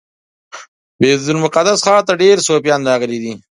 بیت المقدس ښار ته ډیری صوفیان راغلي دي.